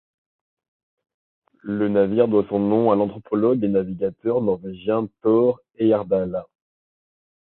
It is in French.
Le navire doit son nom à l'anthropologue et navigateur norvégien Thor Heyerdahl.